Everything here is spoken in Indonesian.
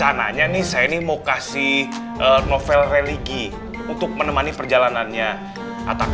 apapun items hai sudah abusive rengan mulai naik pak satu dan atau tartan sweets